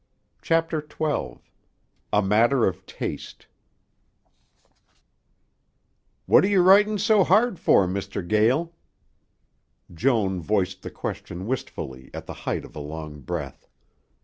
CHAPTER XII A MATTER OF TASTE "What are you writin' so hard for, Mr. Gael?" Joan voiced the question wistfully on the height of a long breath.